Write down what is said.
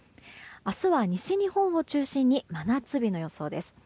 明日は西日本を中心に真夏日の予想です。